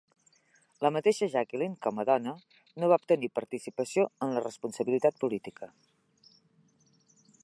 La mateixa Jacqueline, com a dona, no va obtenir participació en la responsabilitat política.